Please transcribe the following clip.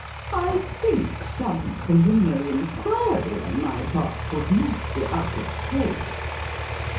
I think some preliminary inquiry on my part would not be out of place.